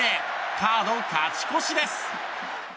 カード勝ち越しです。